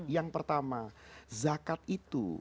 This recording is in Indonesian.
yang pertama zakat itu